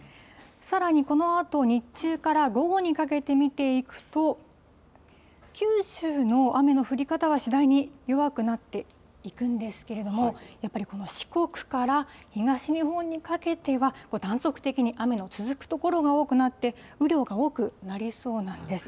さらにこのあと、日中から午後にかけて見ていくと、九州の雨の降り方は次第に弱くなっていくんですけれども、やっぱりこの四国から東日本にかけては、断続的に雨の続く所が多くなって、雨量が多くなりそうなんです。